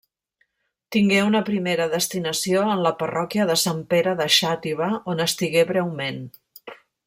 Tingué una primera destinació en la parròquia de Sant Pere de Xàtiva, on estigué breument.